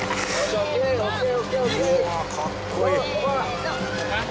かっこいい。